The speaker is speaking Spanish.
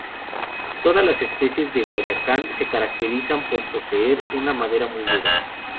Todas las especies de guayacán se caracterizan por poseer una madera muy dura.